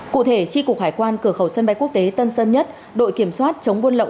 cụ thể tri cục hải quan cửa khẩu sân bay quốc tế tân sơn nhất đội kiểm soát chống buôn lậu